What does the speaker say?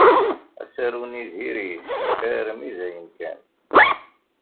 Asaru-nni diri-t armi d ayen kan.